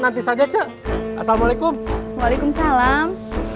nanti saja assalamualaikum waalaikumsalam